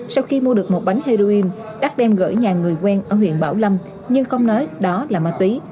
sau khi mua được một bánh heroin đắc đem gửi nhà người quen ở huyện bảo lâm nhưng không nói đó là ma túy